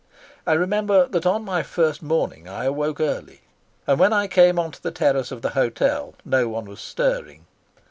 I remember that on my first morning I awoke early, and when I came on to the terrace of the hotel no one was stirring.